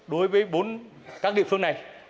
đối với bốn các địa phương này